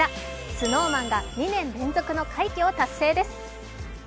ＳｎｏｗＭａｎが２年連続の快挙を達成です。